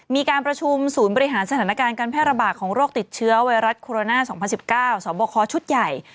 มีการประชุมศูนย์บริหารสถานการณ์การแพร่ระบากของโรคติดเชื้อไวรัสโคโรนาสองพันสิบเก้าสอบบกฮอล์ชุดใหญ่